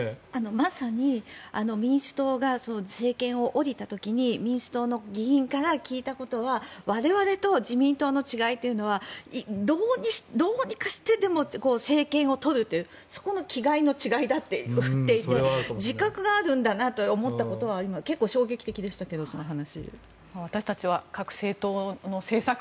まさに民主党が政権を降りた時に民主党の議員から聞いたことは我々と自民党の違いというのはどうにかしてでも政権を取るというそこの気概の違いだと言っていて自覚があるんだなと思ったことは結構、衝撃的でしたけどその話。